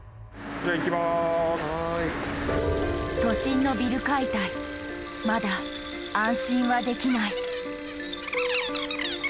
都心のビル解体まだ安心はできない。